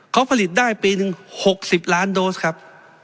เขาผลิตได้ปีหนึ่ง๖๐ล้านโดสครับ